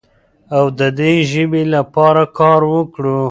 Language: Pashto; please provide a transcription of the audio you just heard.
او د دې ژبې لپاره کار وکړو.